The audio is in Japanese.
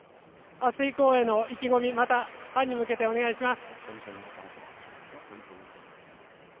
あす以降への意気込みをファンに向けてお願いします。